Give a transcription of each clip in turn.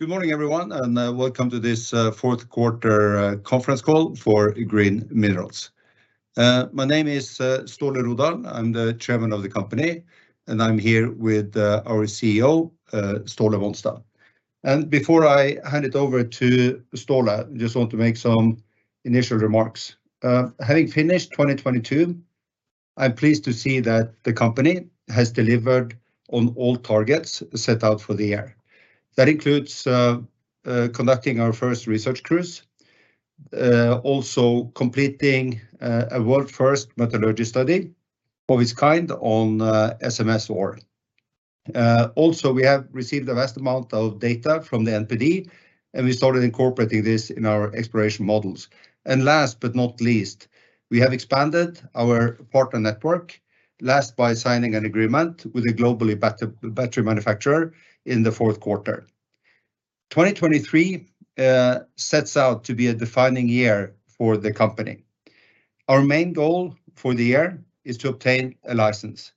Good morning everyone, and welcome to this fourth quarter conference call for Green Minerals. My name is Ståle Rodahl. I'm the chairman of the company, and I'm here with our CEO, Ståle Monstad. Before I hand it over to Ståle, just want to make some initial remarks. Having finished 2022, I'm pleased to see that the company has delivered on all targets set out for the year. That includes conducting our first research cruise, also completing a world-first metallurgy study of its kind on SMS ore. Also, we have received a vast amount of data from the NPD, and we started incorporating this in our exploration models. Last but not least, we have expanded our partner network, last by signing an agreement with a globally battery manufacturer in the fourth quarter. 2023 sets out to be a defining year for the company. Our main goal for the year is to obtain a license.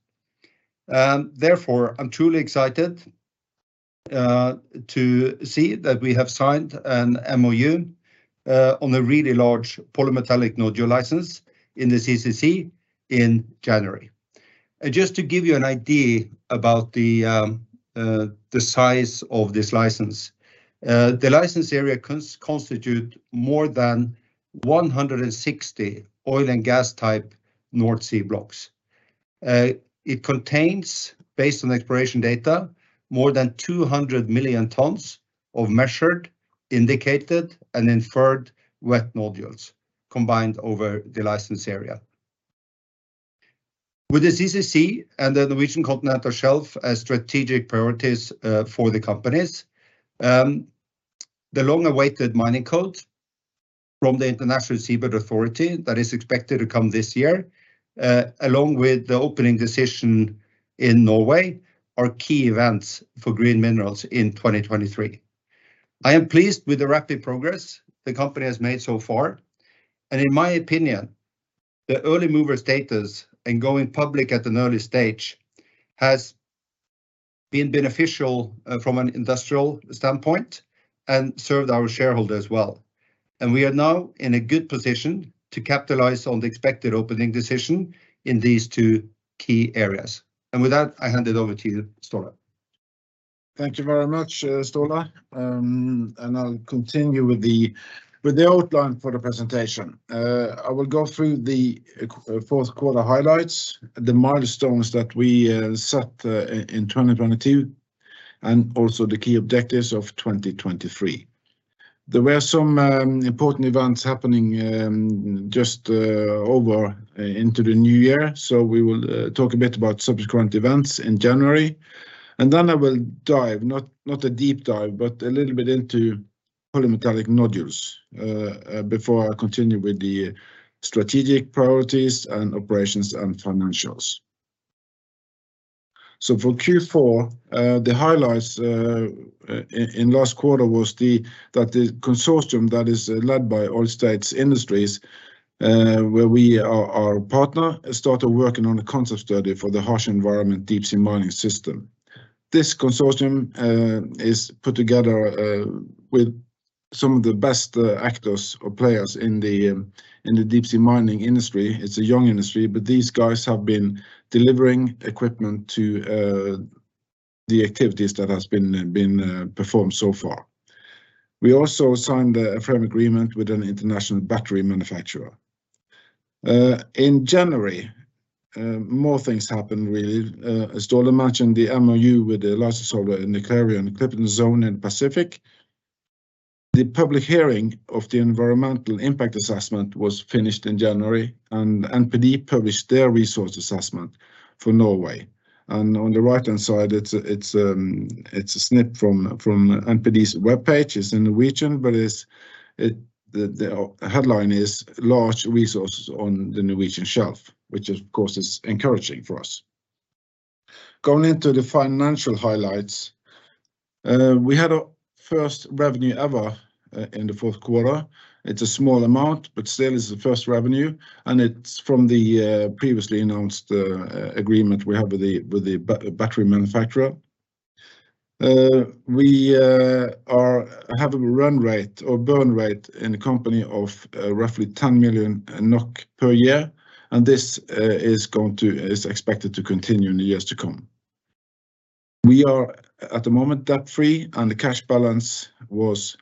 Therefore, I'm truly excited to see that we have signed an MoU on a really large polymetallic nodule license in the CCZ in January. Just to give you an idea about the size of this license, the license area constitute more than 160 oil and gas-type North Sea blocks. It contains, based on exploration data, more than 200 million tons of measured, indicated, and inferred wet nodules combined over the license area. With the CCC and the Norwegian Continental Shelf as strategic priorities, for the companies, the long-awaited Mining Code from the International Seabed Authority that is expected to come this year, along with the opening decision in Norway, are key events for Green Minerals in 2023. I am pleased with the rapid progress the company has made so far. In my opinion, the early mover status and going public at an early stage has been beneficial, from an industrial standpoint and served our shareholders well. We are now in a good position to capitalize on the expected opening decision in these two key areas. With that, I hand it over to you, Ståle. Thank you very much, Ståle. I'll continue with the outline for the presentation. I will go through the 4th-quarter highlights, the milestones that we set in 2022, and also the key objectives of 2023. There were some important events happening just over into the new year, so we will talk a bit about subsequent events in January. I will dive, not a deep dive, but a little bit into polymetallic nodules before I continue with the strategic priorities and operations and financials. For Q4, the highlights in last quarter was that the consortium that is led by Oil States Industries, where we are a partner, started working on a concept study for the harsh environment deep-sea mining system. This consortium is put together with some of the best actors or players in the deep-sea mining industry. It's a young industry, but these guys have been delivering equipment to the activities that has been performed so far. We also signed a frame agreement with an international battery manufacturer. In January, more things happened really. Ståle mentioned the MoU with the license holder in the Clarion-Clipperton Zone in Pacific. The public hearing of the environmental impact assessment was finished in January, and NPD published their resource assessment for Norway. On the right-hand side, it's a snip from NPD's webpage. It's in Norwegian, but it's the headline is, "Large resources on the Norwegian shelf," which of course is encouraging for us. Going into the financial highlights, we had our first revenue ever in the fourth quarter. It's a small amount, but still is the first revenue, and it's from the previously announced agreement we have with the battery manufacturer. We have a run rate or burn rate in the company of roughly 10 million NOK per year, and this is expected to continue in the years to come. We are at the moment debt-free, and the cash balance was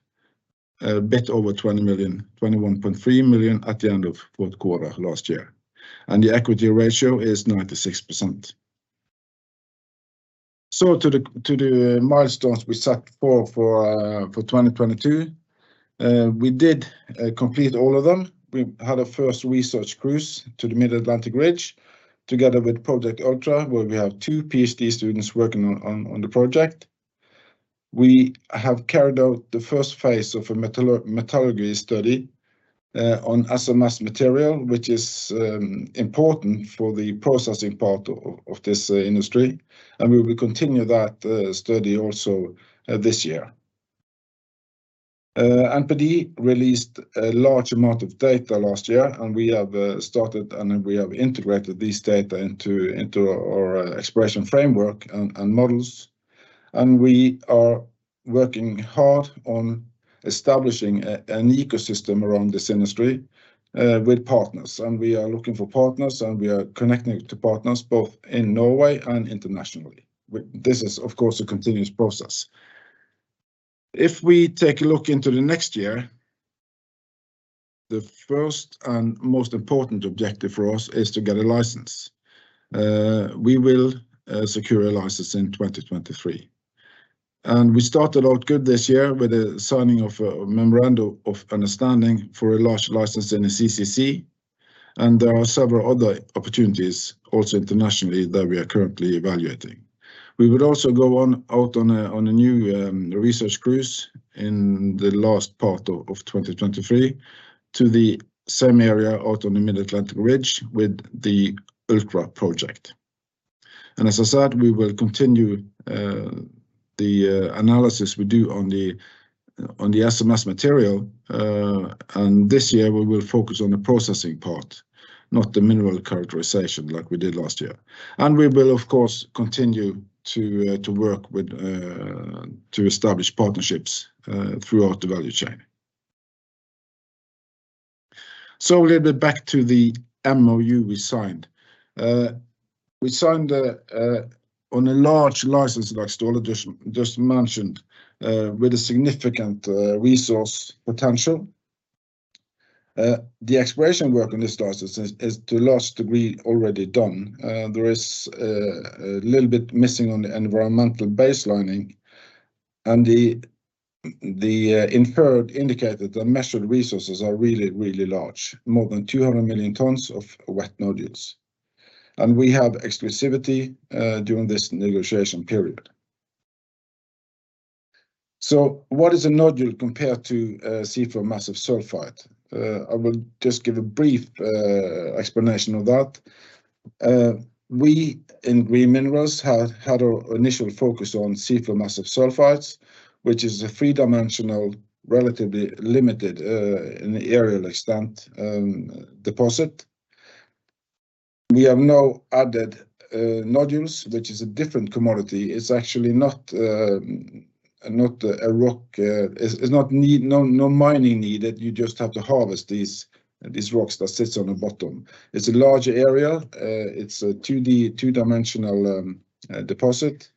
a bit over 20 million, 21.3 million at the end of fourth quarter last year, and the equity ratio is 96%. To the milestones we set for 2022, we did complete all of them. We had our first research cruise to the Mid-Atlantic Ridge, together with Project ULTRA, where we have two PhD students working on the project. We have carried out the first phase of a metallurgy study on SMS material, which is important for the processing part of this industry, and we will continue that study also this year. NPD released a large amount of data last year. We have started, and we have integrated this data into our expression framework and models. We are working hard on establishing an ecosystem around this industry with partners. We are looking for partners, and we are connecting to partners both in Norway and internationally. This is, of course, a continuous process. If we take a look into the next year, the first and most important objective for us is to get a license. We will secure a license in 2023. We started out good this year with the signing of a Memorandum of Understanding for a large license in the CCC, and there are several other opportunities also internationally that we are currently evaluating. We would also go out on a new research cruise in the last part of 2023 to the same area out on the Mid-Atlantic Ridge with Project ULTRA. As I said, we will continue the analysis we do on the SMS material. This year we will focus on the processing part, not the mineral characterization like we did last year. We will, of course, continue to work with to establish partnerships throughout the value chain. A little bit back to the MoU we signed. We signed on a large license like Ståle just mentioned, with a significant resource potential. The exploration work on this license is to large degree already done. There is a little bit missing on the environmental baselining, and the inferred indicated the measured resources are really, really large, more than 200 million tons of wet nodules. We have exclusivity during this negotiation period. What is a nodule compared to a seafloor massive sulfide? I will just give a brief explanation of that. We in Green Minerals had a initial focus on seafloor massive sulfides, which is a three-dimensional, relatively limited in the areal extent deposit. We have now added nodules, which is a different commodity. It's actually not not a rock. It's not need no mining needed. You just have to harvest these rocks that sits on the bottom. It's a larger area. It's a two-dimensional deposit.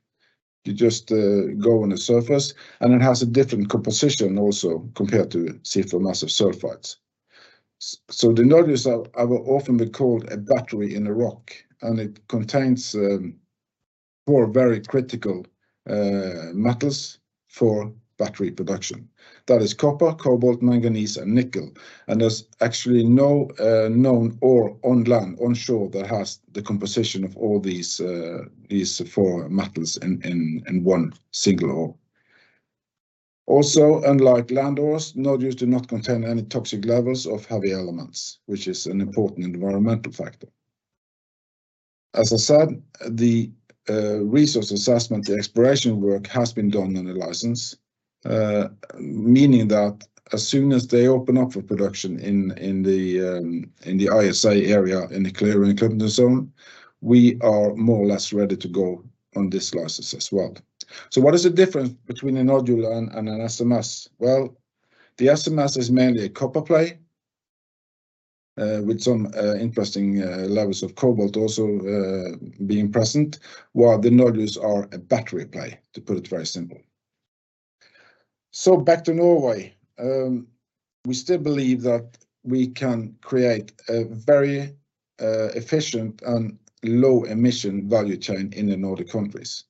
You just go on the surface. It has a different composition also compared to seafloor massive sulfides. So the nodules are often be called a battery in a rock, it contains 4 very critical metals for battery production. That is copper, cobalt, manganese, and nickel, and there's actually no known ore on land, on shore that has the composition of all these four metals in, in one single ore. Also, unlike land ores, nodules do not contain any toxic levels of heavy elements, which is an important environmental factor. As I said, the resource assessment, the exploration work has been done on the license, meaning that as soon as they open up for production in the ISA area, in the Clarion-Clipperton Zone, we are more or less ready to go on this license as well. What is the difference between a nodule and an SMS? The SMS is mainly a copper play, with some interesting levels of cobalt also being present, while the nodules are a battery play, to put it very simple. Back to Norway. We still believe that we can create a very efficient and low emission value chain in the Nordic countries.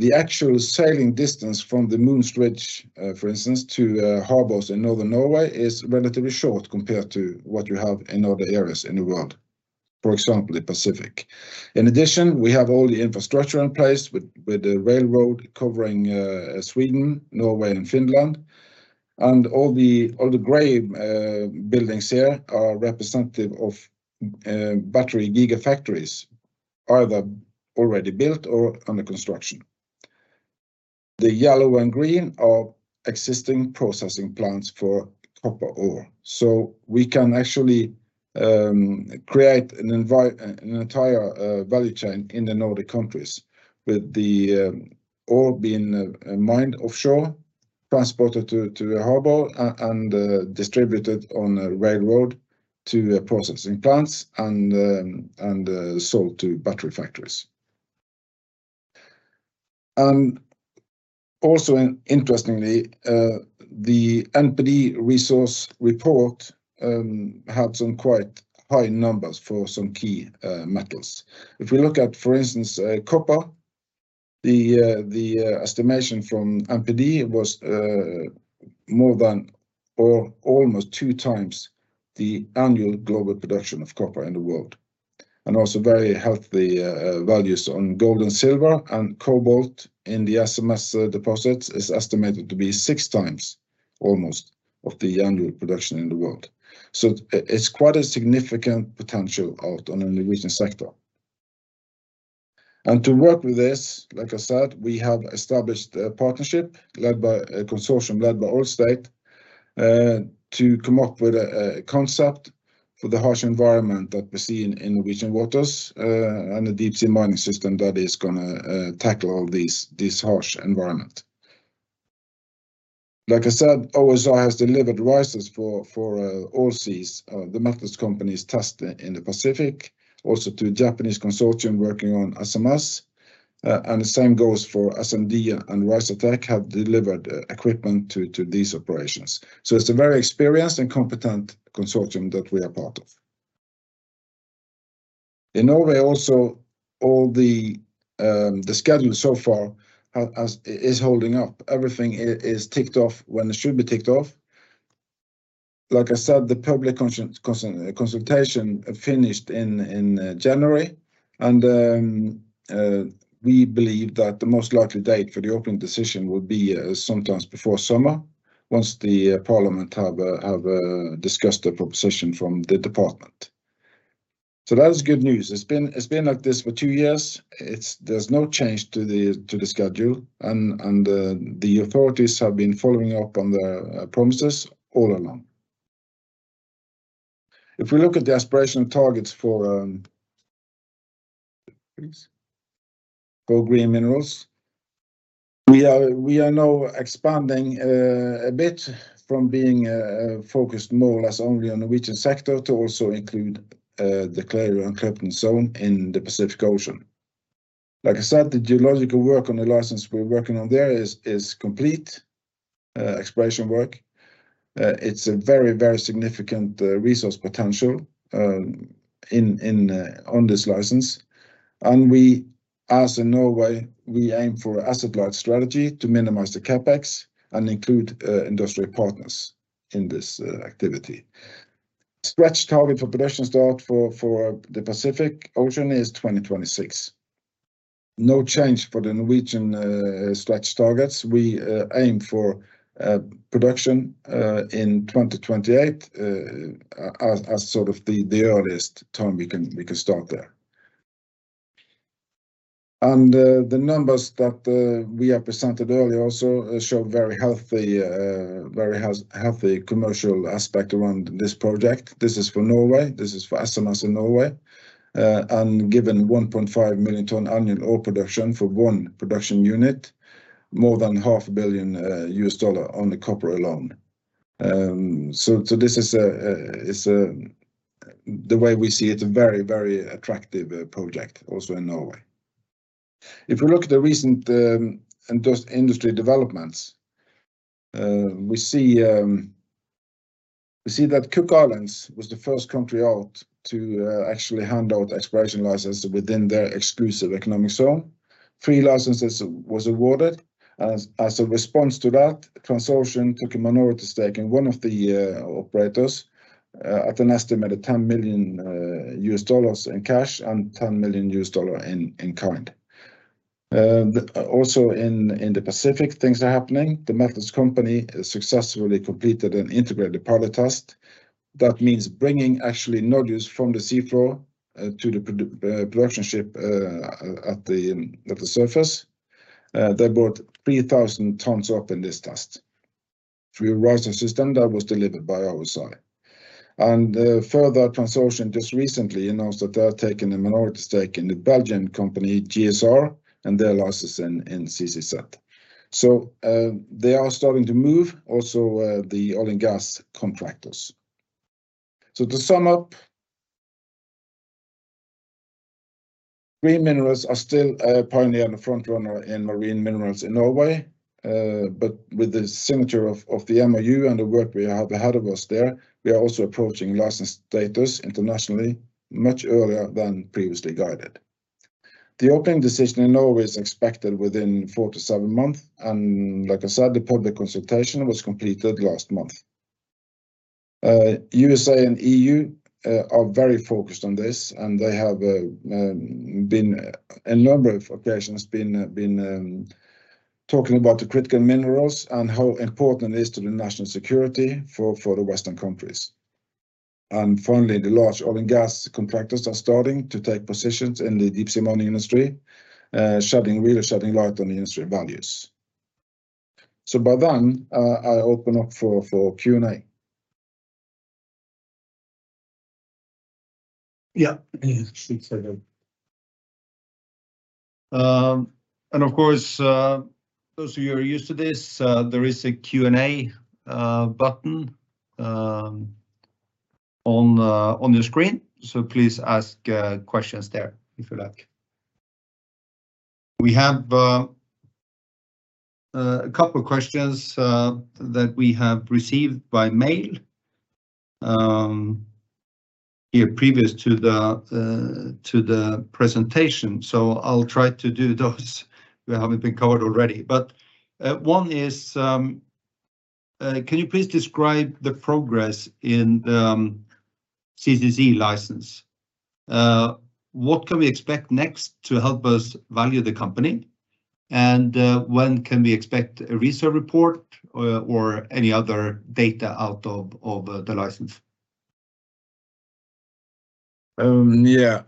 The actual sailing distance from the Mohn's Ridge, for instance, to harbors in northern Norway is relatively short compared to what you have in other areas in the world, for example, the Pacific. In addition, we have all the infrastructure in place with the railroad covering Sweden, Norway, and Finland, and all the gray buildings here are representative of battery gigafactories, either already built or under construction. The yellow and green are existing processing plants for copper ore. We can actually create an entire value chain in the Nordic countries with the ore being mined offshore, transported to a harbor and distributed on a railroad to the processing plants and sold to battery factories. Also interestingly, the NPD resource report had some quite high numbers for some key metals. If we look at, for instance, copper, the estimation from NPD was more than or almost 2 times the annual global production of copper in the world, and also very healthy values on gold and silver. Cobalt in the SMS deposits is estimated to be 6 times almost of the annual production in the world. It's quite a significant potential out on the Norwegian sector. To work with this, like I said, we have established a partnership led by a consortium led by Ørsted, to come up with a concept for the harsh environment that we see in Norwegian waters, and a deep-sea mining system that is gonna tackle all this harsh environment. Like I said, OSI has delivered risers for Allseas, The Metals Company's test in the Pacific, also to a Japanese consortium working on SMS, and the same goes for SMD and RISE have delivered equipment to these operations. It's a very experienced and competent consortium that we are part of. In Norway also, all the schedule so far has, is holding up. Everything is ticked off when it should be ticked off. Like I said, the public consultation finished in January. We believe that the most likely date for the opening decision would be sometimes before summer once the parliament have discussed the proposition from the department. That is good news. It's been like this for two years. There's no change to the schedule, the authorities have been following up on the promises all along. If we look at the aspirational targets for please, Green Minerals, we are now expanding a bit from being focused more or less only on the region sector to also include the Clarion-Clipperton Zone in the Pacific Ocean. Like I said, the geological work on the license we're working on there is complete exploration work. It's a very, very significant resource potential on this license. We, as in Norway, we aim for asset light strategy to minimize the CapEx and include industry partners in this activity. Stretch target for production start for the Pacific Ocean is 2026. No change for the Norwegian stretch targets. We aim for production in 2028 as sort of the earliest time we can start there. The numbers that we are presented earlier also show very healthy commercial aspect around this project. This is for Norway. This is for SMS in Norway. And given 1.5 million ton annual ore production for 1 production unit, more than half a billion US dollar on the copper alone. This is, the way we see it, a very, very attractive project also in Norway. If you look at the recent industry developments, we see that Cook Islands was the first country out to actually hand out exploration license within their exclusive economic zone. Three licenses was awarded. As a response to that, consortium took a minority stake in one of the operators at an estimated $10 million in cash and $10 million in kind. Also in the Pacific, things are happening. The Metals Company successfully completed an integrated pilot test. That means bringing actually nodules from the sea floor to the production ship at the surface. They brought 3,000 tons up in this test through a riser system that was delivered by OSI. Further consortium just recently announced that they have taken a minority stake in the Belgian company Global Sea Mineral Resources and their license in Clarion-Clipperton Zone. They are starting to move also the oil and gas contractors. To sum up, Green Minerals are still a pioneer and a front runner in marine minerals in Norway, but with the signature of the MoU and the work we have ahead of us there, we are also approaching license status internationally much earlier than previously guided. The opening decision in Norway is expected within 4-7 months, and like I said, the public consultation was completed last month. USA and E.U. are very focused on this, and they have been. A number of occasions been talking about the critical minerals and how important it is to the national security for the Western countries. Finally, the large oil and gas contractors are starting to take positions in the deep-sea mining industry, really shedding light on the industry values. By then, I open up for Q&A. Yeah. Of course, those of you who are used to this, there is a Q&A button on your screen, so please ask questions there if you like. We have 2 questions that we have received by mail here previous to the presentation, so I'll try to do those that haven't been covered already. One is, can you please describe the progress in the CCZ license? What can we expect next to help us value the company? When can we expect a reserve report or any other data out of the license? Yeah.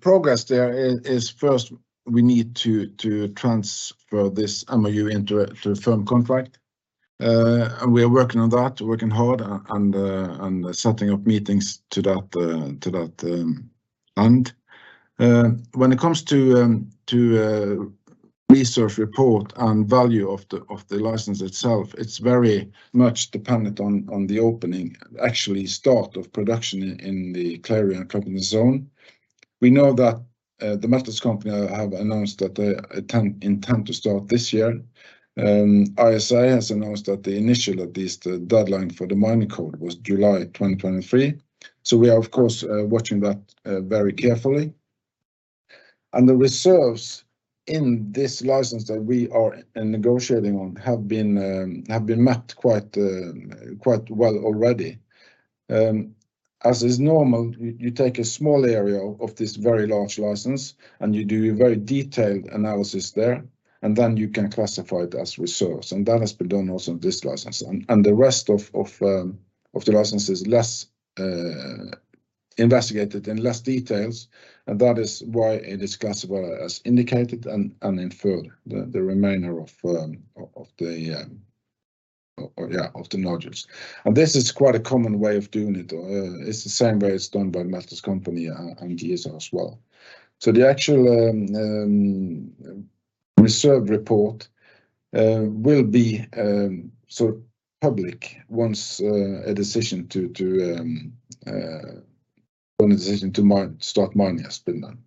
Progress there is first we need to transfer this MoU to a firm contract. We're working on that, working hard and setting up meetings to that, to that end. When it comes to research report and value of the license itself, it's very much dependent on the opening, actually start of production in the Clarion-Clipperton Zone. We know that The Metals Company have announced that they intend to start this year. ISA has announced that the initial, at least, deadline for the Mining Code was July 2023. We are, of course, watching that very carefully. The reserves in this license that we are negotiating on have been mapped quite well already. As is normal, you take a small area of this very large license, and you do a very detailed analysis there, and then you can classify it as reserves, and that has been done also on this license. The rest of the license is less investigated, in less details, and that is why it is classifiable as indicated and inferred, the remainder of the nodules. This is quite a common way of doing it. It's the same way it's done by The Metals Company and GSR as well. The actual reserve report will be sort of public once a decision to start mining has been done.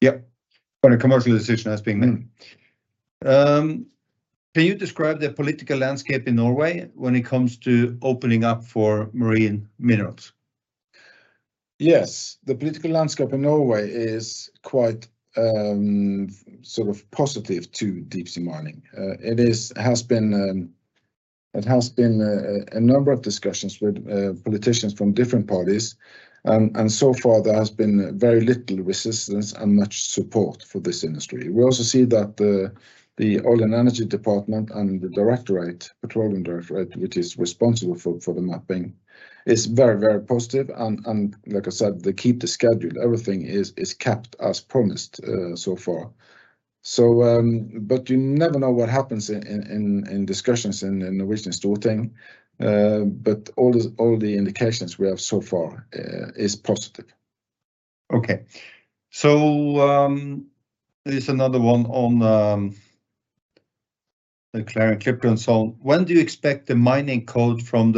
Yep. When a commercial decision has been made. Mm. Can you describe the political landscape in Norway when it comes to opening up for marine minerals? Yes. The political landscape in Norway is quite sort of positive to deep-sea mining. It is, has been, it has been a number of discussions with politicians from different parties, so far there has been very little resistance and much support for this industry. We also see that the Ministry of Petroleum and Energy and the Norwegian Petroleum Directorate, which is responsible for the mapping, is very, very positive like I said, they keep to schedule. Everything is kept as promised so far. You never know what happens in discussions in the Storting. All the indications we have so far is positive. Okay. There's another one on the Clarion-Clipperton Zone. When do you expect the Mining Code from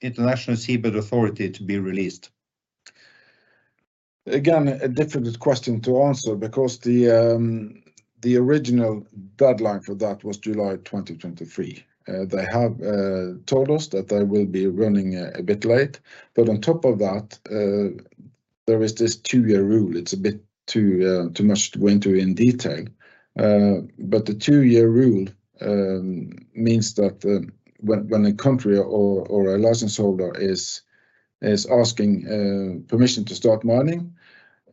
the International Seabed Authority to be released? A difficult question to answer because the original deadline for that was July 2023. They have told us that they will be running a bit late. On top of that, there is this Two-year rule. It's a bit too much to go into in detail. The Two-year rule means that when a country or a license holder is asking permission to start mining,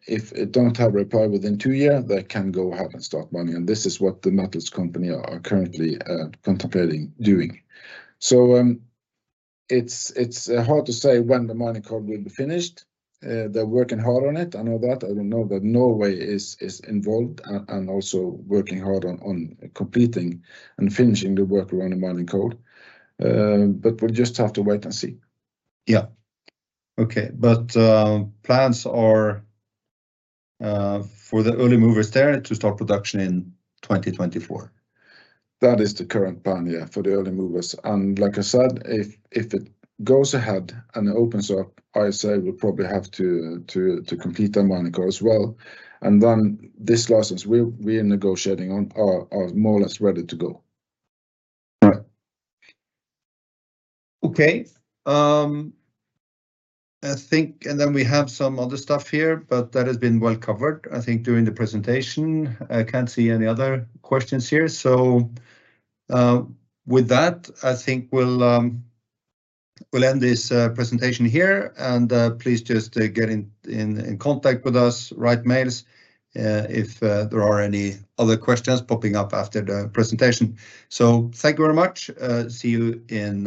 if it don't have reply within 2 years, they can go ahead and start mining, and this is what The Metals Company are currently contemplating doing. It's hard to say when the Mining Code will be finished. They're working hard on it, I know that. I know that Norway is involved and also working hard on completing and finishing the work around the Mining Code. We'll just have to wait and see. Yeah. Okay. Plans are for the early movers there to start production in 2024? That is the current plan, yeah, for the early movers. Like I said, if it goes ahead and opens up, ISA will probably have to complete their Mining Code as well. Then this license we are negotiating on are more or less ready to go. All right. Okay. I think... We have some other stuff here, but that has been well covered, I think, during the presentation. I can't see any other questions here. With that, I think we'll end this presentation here. Please just get in contact with us, write mails, if there are any other questions popping up after the presentation. Thank you very much. See you in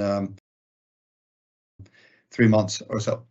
3 months or so.